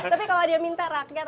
tapi kalau dia minta rakyat